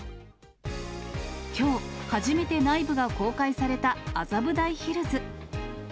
きょう、初めて内部が公開された麻布台ヒルズ。